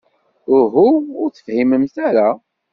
Uhu, ur tefhimemt ara.